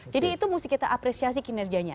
jadi itu mesti kita apresiasi kinerjanya